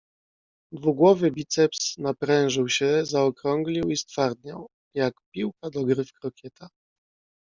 "Dwugłowy biceps naprężył się zaokrąglił i stwardniał, jak piłka do gry w krokieta."